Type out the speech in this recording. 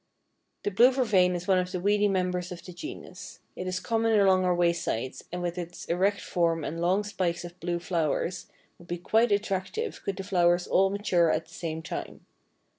The Blue Vervain is one of the weedy members of the genus. It is common along our waysides and with its erect form and long spikes of blue flowers would be quite attractive could the flowers all mature at the same time.